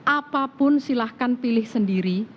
apapun silahkan pilih sendiri